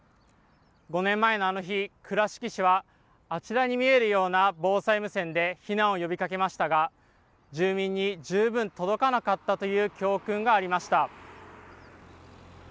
５年前のあの日、倉敷市は、あちらに見えるような防災無線で避難を呼びかけましたが、住民に十分届かなかったという教訓がありました。